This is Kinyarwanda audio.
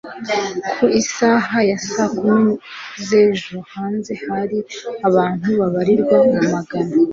ku isaha ya saa kumi z'ejo, hanze hari abantu babarirwa mu magana